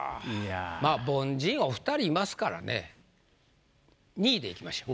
まあ凡人お２人いますからね２位でいきましょう。